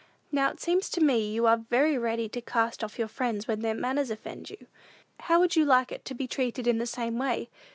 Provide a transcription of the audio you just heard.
Now, it seems to me you are very ready to cast off your friends when their manners offend you. How would you like it to be treated in the same way?